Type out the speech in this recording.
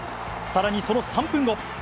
さらにその３分後。